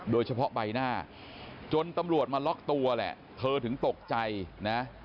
โดยเฉพาะใบหน้าจนตำรวจมาล็อกตัวแหละเธอถึงตกใจนะ